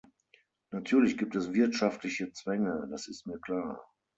Natürlich gibt es wirtschaftliche Zwänge, das ist mir klar.